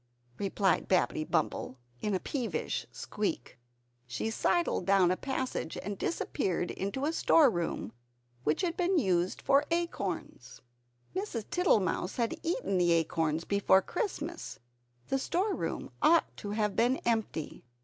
replied Babbitty Bumble in a peevish squeak. She sidled down a passage, and disappeared into a storeroom which had been used for acorns. Mrs. Tittlemouse had eaten the acorns before Christmas; the storeroom ought to have been empty.